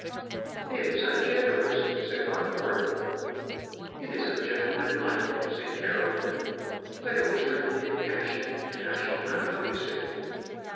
"It is ungenerous," said Harcourt. "It is ungentlemanlike," said Caroline. "But it was written in passion, and I shall not notice it."